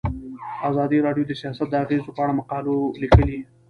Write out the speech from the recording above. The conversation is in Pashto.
ازادي راډیو د سیاست د اغیزو په اړه مقالو لیکلي.